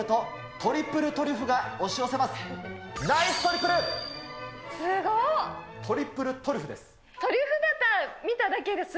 トリプルトリュフです。